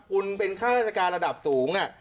คุณเป็นค่าราชการระดับสูง